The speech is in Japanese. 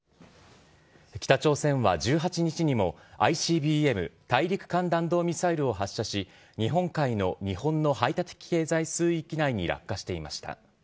北朝鮮は１８日にもＩＣＢＭ・大陸間弾道ミサイルを発射し、日本海の日本の排他的経済水域内に落下していました。